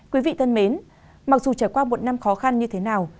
quý vị thân mến mặc dù trải qua một năm khó khăn như thế nào